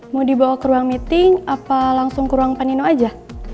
mau dibawa ke ruang meeting apa langsung ke ruang peninu aja